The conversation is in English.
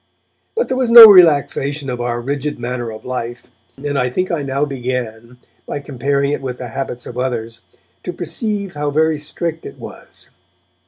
But there was no relaxation of our rigid manner of life, and I think I now began, by comparing it with the habits of others, to perceive how very strict it was.